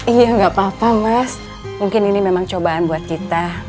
iya nggak apa apa mas mungkin ini memang cobaan buat kita